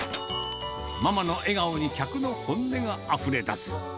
ママの笑顔に客の本音があふれ出す。